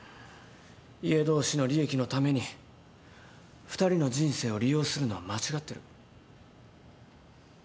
家同士の利益のために２人の人生を利用するのは間違ってる。